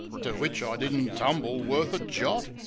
To which I didn't tumble worth a jot.